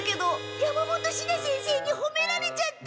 山本シナ先生にほめられちゃった！